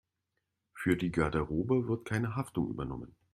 Für die Garderobe wird keine Haftung übernommen.